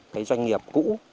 cái doanh nghiệp cũ